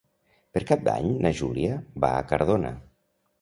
Per Cap d'Any na Júlia va a Cardona.